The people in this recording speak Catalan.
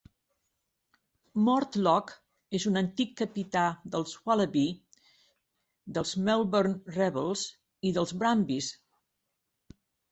Mortlock és un antic capità dels Wallaby, dels Melbourne Rebels i dels Brumbies.